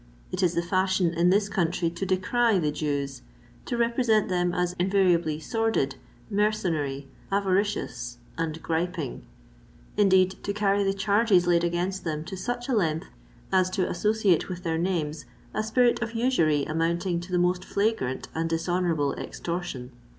It is the fashion in this country to decry the Jews—to represent them as invariably sordid, mercenary, avaricious, and griping—indeed, to carry the charges laid against them to such a length, as to associate with their names a spirit of usury amounting to the most flagrant and dishonourable extortion.